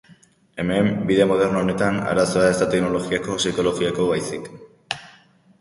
Hemen, bide moderno honetan, arazoa ez da teknologikoa psikologikoa baizik.